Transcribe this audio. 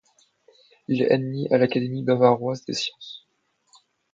Il est admis à l'Académie bavaroise des sciences.